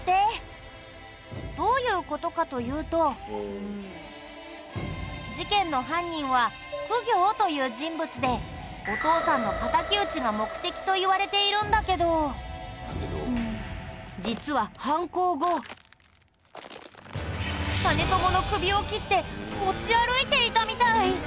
どういう事かというと事件の犯人は公暁という人物でお父さんの敵討ちが目的といわれているんだけど実は犯行後実朝の首を切って持ち歩いていたみたい。